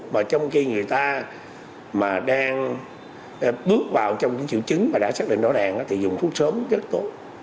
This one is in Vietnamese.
mà trong khi người ta mà đang bước vào trong những triệu chứng mà đã xác định đỏ đèn thì dùng thuốc sớm rất tốt